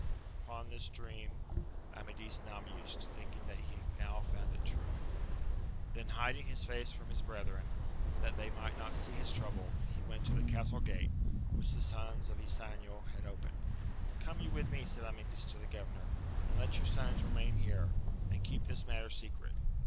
Upon this dream Amadis now mused, thinking that he now found it true. Then hiding his face from his brethren, that they might not see his trouble, he^went ,to the castle gate, which the sons of Ysanjo had opened. Come you with me, said Amadis to the governor, and let your sons remain here, and keep this matter secret.